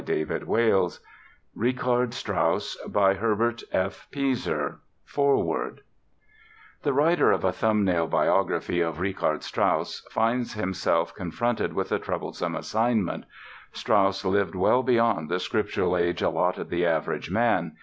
[Illustration: Richard Strauss at the age of 39] FOREWORD The writer of a thumb nail biography of Richard Strauss finds himself confronted with a troublesome assignment. Strauss lived well beyond the scriptural age allotted the average man.